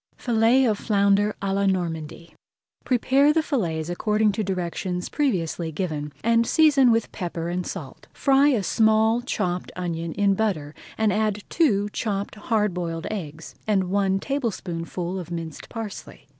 FILLETS OF FLOUNDER À LA NORMANDY Prepare the fillets according to directions previously given, and season with pepper and salt. Fry a small chopped onion in butter and add two chopped hard boiled eggs, and one tablespoonful of minced parsley.